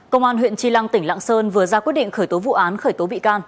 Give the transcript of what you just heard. công an huyện tri lăng tỉnh lạng sơn vừa ra quyết định khởi tố vụ án khởi tố bị can